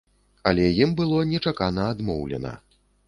Але ім было нечакана адмоўлена.